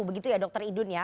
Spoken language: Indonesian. begitu ya dokter idun ya